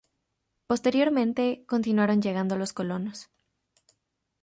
Posteriormente continuaron llegando los colonos.